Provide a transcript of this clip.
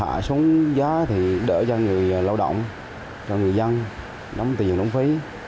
hạ sống giá thì đỡ cho người lao động cho người dân đóng tiền đóng phí